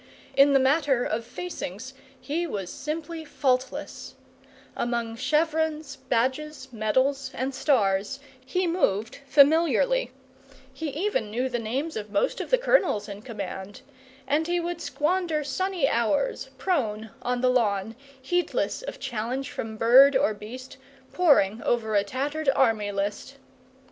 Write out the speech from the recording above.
In the matter of facings he was simply faultless; among chevrons, badges, medals, and stars, he moved familiarly; he even knew the names of most of the colonels in command; and he would squander sunny hours prone on the lawn, heedless of challenge from bird or beast, poring over a tattered Army List.